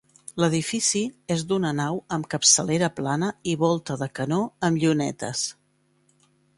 L'edifici és d'una nau amb capçalera plana i volta de canó amb llunetes.